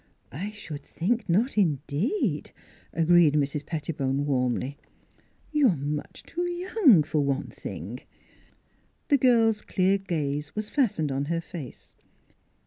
" I should think not, indeed," agreed Mrs. Pet tibone warmly. " You are much too young, for one thing." The girl's clear gaze was fastened on her face.